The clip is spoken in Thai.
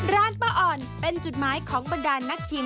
ร้านป้าอ่อนเป็นจุดหมายของบรรดานนักชิม